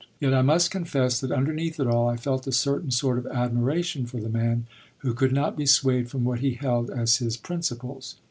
Yet I must confess that underneath it all I felt a certain sort of admiration for the man who could not be swayed from what he held as his principles.